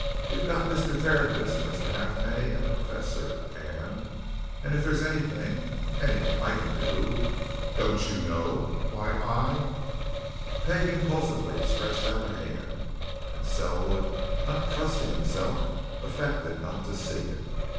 "You've got Mr. Tertius, and Mr. Halfpenny, and the Professor, and and if there's anything anything I can do, don't you know, why, I " Peggie impulsively stretched out a hand and Selwood, not trusting himself, affected not to see it.